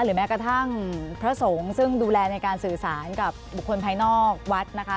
แม้กระทั่งพระสงฆ์ซึ่งดูแลในการสื่อสารกับบุคคลภายนอกวัดนะคะ